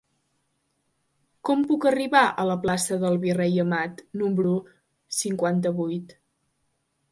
Com puc arribar a la plaça del Virrei Amat número cinquanta-vuit?